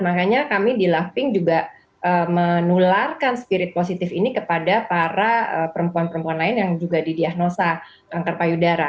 makanya kami di love pink juga menularkan spirit positif ini kepada para perempuan perempuan lain yang juga didiagnosa kanker payudara